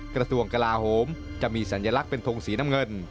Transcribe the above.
กระทรวงกลาโหมจะมีสัญลักษณ์เป็นทงสีน้ำเงิน